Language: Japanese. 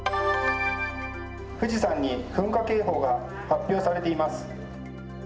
富士山に噴火警報が発表されています。